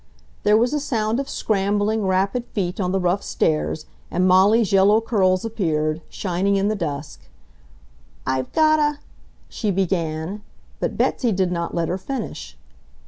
There was a sound of scrambling, rapid feet on the rough stairs, and Molly's yellow curls appeared, shining in the dusk. "I've got a ..." she began, but Betsy did not let her finish.